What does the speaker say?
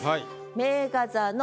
「名画座の」